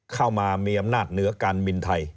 เข้ามามีอำนาจเหนือการบินไทย